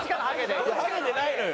ハゲてないのよ。